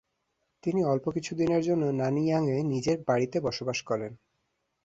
তিনি অল্প কিছুদিনের জন্য নানইয়াং এ নিজ বাড়িতে বসবাস করেন।